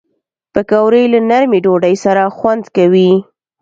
پکورې له نرمې ډوډۍ سره خوند کوي